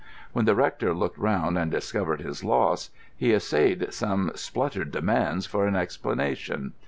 When the rector looked round and discovered his loss, he essayed some spluttered demands for an explanation.